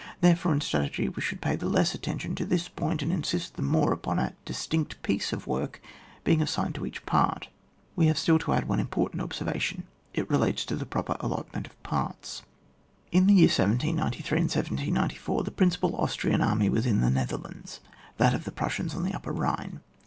Therefore in strategy we should pay the less attention to this point, and insist the more upon a distinct piece of work being assigned to each part. We have still to add one important 88 ON WAR, [boos Ym. obBervation : it relates to the proper allotment of parts. In the year 1793 and 1794 the princi palAustrian armywasin the Netherlands, that of the Prussians, on the upper Bhine.